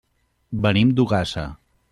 Venim d'Ogassa.